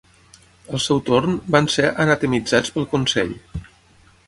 Al seu torn, van ser anatemitzats pel Consell.